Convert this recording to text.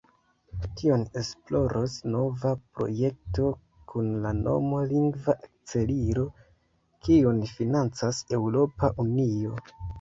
Tion esploros nova projekto kun la nomo "Lingva Akcelilo", kiun financas Eŭropa Unio.